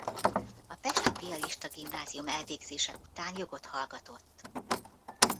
A pesti piarista gimnázium elvégzése után jogot hallgatott.